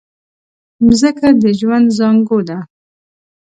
مځکه د ژوند زانګو ده.